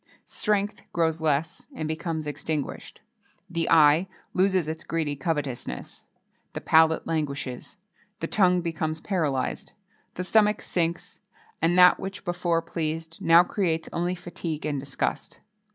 Strength grows less, and becomes extinguished; the eye loses its greedy covetousness;[XXII 19] the palate languishes; the tongue becomes paralysed; the stomach sinks, and that which before pleased, now creates only fatigue and disgust.